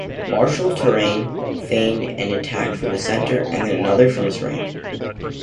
Marshal Turenne feigned an attack from the center and then another from his right.